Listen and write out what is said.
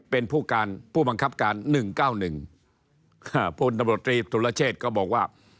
เป็นผู้การผู้บังคับการ๑๙๑พลตำรวจตรีสุรเชษก็บอกว่า